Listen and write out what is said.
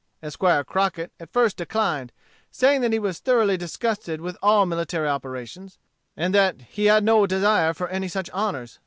Esquire Crockett at first declined, saying that he was thoroughly disgusted with all military operations, and that he had no desire for any such honors.